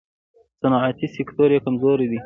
صنعتي سکتور یې کمزوری دی.